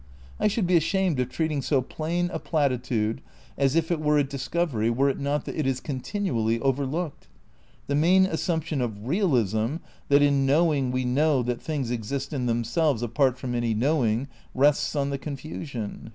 I should be ashamed of treating so plain a platitude as if it were a discovery were it not that it is continually over looked. The main assumption of realism — that in knowing we know that things exist in themselves apart from any knowing — rests on the confusion.